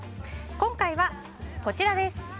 今回はこちらです。